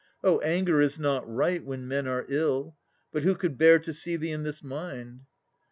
Oh, anger is not right, when men are ill! But who could bear to see thee in this mind?